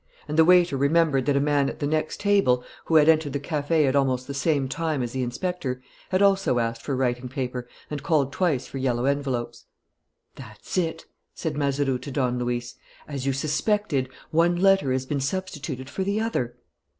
And the waiter remembered that a man at the next table, who had entered the café at almost the same time as the inspector, had also asked for writing paper and called twice for yellow envelopes. "That's it," said Mazeroux to Don Luis. "As you suspected, one letter has been substituted for the other."